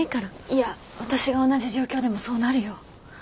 いや私が同じ状況でもそうなるよ。